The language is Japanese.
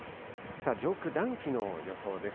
上空、暖気の予想です。